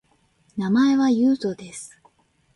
名前は、ゆうとです